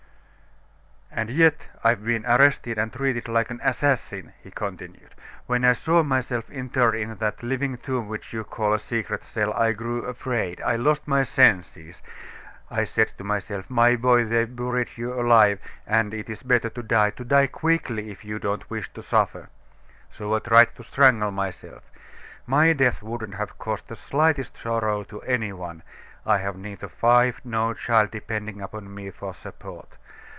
"And yet I've been arrested and treated like an assassin," he continued. "When I saw myself interred in that living tomb which you call a secret cell, I grew afraid; I lost my senses. I said to myself: 'My boy, they've buried you alive; and it is better to die to die quickly, if you don't wish to suffer.' So I tried to strangle myself. My death wouldn't have caused the slightest sorrow to any one. I have neither wife nor child depending upon me for support.